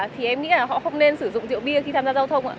thì em nghĩ là họ không nên sử dụng rượu bia khi tham gia giao thông ạ